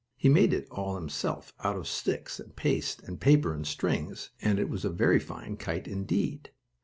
He had made it all himself, out of sticks, and paste, and paper and strings, and it was a very fine kite indeed.